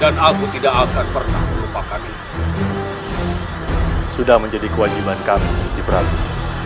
dan aku tidak akan pernah melupakan sudah menjadi kewajiban kami diperanjur